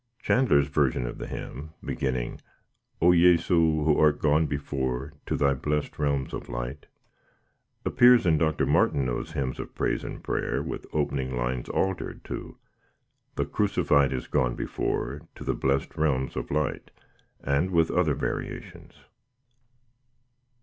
Chandler's version of the hymn, beginning, "O Jesu, who art gone before, To Thy blest realms of light," appears in Dr. Martineau's "Hymns of Praise and Prayer," with opening lines altered to, "The Crucified is gone before, To the blest realms of light," and with other variations.